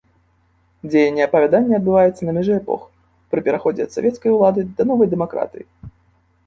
Дзеянне апавядання адбываецца на мяжы эпох, пры пераходзе ад савецкай улады да новай дэмакратыі.